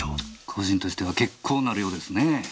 個人としては結構な量ですねぇ。